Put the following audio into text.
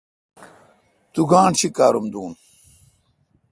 تو گاݨڈ چیکار ام دو۔